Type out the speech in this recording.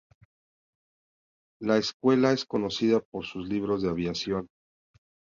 La escuela es conocida por sus libros de aviación.